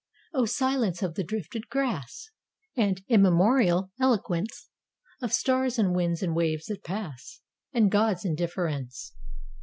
O silence of the drifted grass! And immemorial eloquence Of stars and winds and waves that pass! And God's indifference!